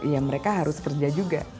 ya mereka harus kerja juga